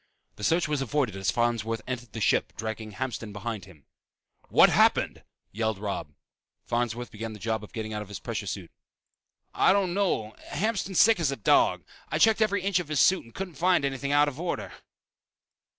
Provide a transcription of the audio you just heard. The search was avoided as Farnsworth entered the ship dragging Hamston behind him. "What happened!" yelled Robb. Farnsworth began the job of getting out of his pressure suit. "I don't know. Hamston's sick as a dog. I checked every inch of his suit and couldn't find anything out of order."